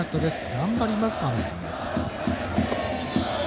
頑張りますと話しています。